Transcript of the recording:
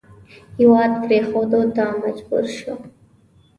هېواد پرېښودلو ته مجبور شو.